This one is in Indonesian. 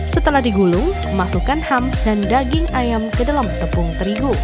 setelah digulung masukkan ham dan daging ayam ke dalam tepung terigu